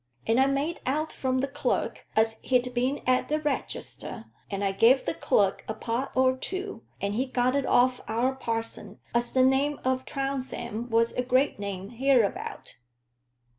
And I made out from the clerk as he'd been at the regester; and I gave the clerk a pot or two, and he got it off our parson as the name o' Trounsem was a great name hereabout.